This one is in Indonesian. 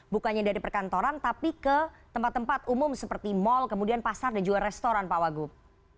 bukannya dari perkantoran tapi ke tempat tempat umum seperti mal kemudian pasar dan juga restoran pak wagub